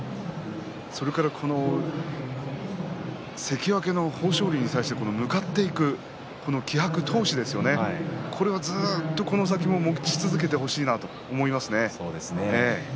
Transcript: それから関脇の豊昇龍に対して向かっていく、気迫、闘志この先もずっと持ち続けてほしいなと思います。